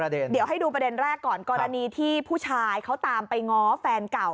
เดี๋ยวให้ดูประเด็นแรกก่อนกรณีที่ผู้ชายเขาตามไปง้อแฟนเก่า